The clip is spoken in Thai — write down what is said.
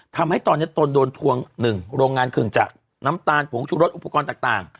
ทำให้ตอนนี้ตนโดนทวง๑โรงงานเครื่องจักรน้ำตาลผงชุรสอุปกรณ์ต่าง